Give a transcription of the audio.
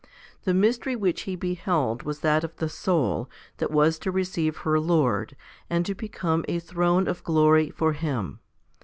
The mystery which he beheld was that of the soul, that was to receive her Lord, and to become a throne of glory 3 for Him.